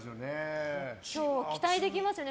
今日、期待できますよね。